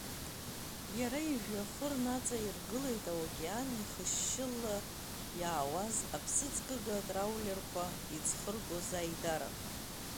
Иара ижәҩахыр наҵаиргылеит, океан ихышьшьыла иаауаз, аԥсыӡкыга траулерқәа иӡхыргоз аидара.